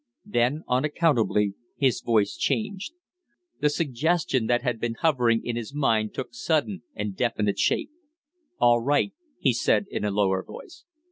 Then unaccountably his voice changed. The suggestion that had been hovering in his mind took sudden and definite shape. "All right!" he said, in a lower voice.